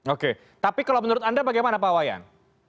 oke tapi kalau menurut anda bagaimana pak wayan